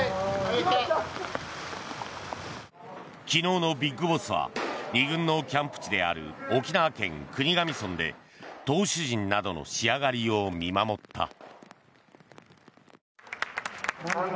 昨日のＢＩＧＢＯＳＳは２軍のキャンプ地である沖縄県国頭村で投手陣などの仕上がりを見守った。